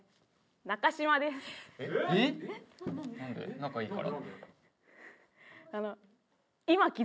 仲いいから？